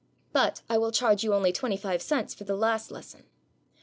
But I will charge you only twenty five cents for the last lesson."